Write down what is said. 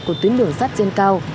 của tuyến đường sát trên cao